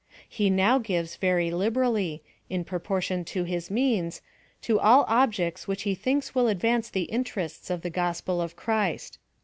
He now gives very liberally, in proportion to his means, to all objects which he thinks will advance the in terests of the gospel of Christ.